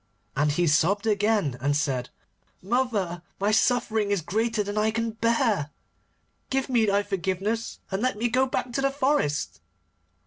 And he sobbed again and said: 'Mother, my suffering is greater than I can bear. Give me thy forgiveness, and let me go back to the forest.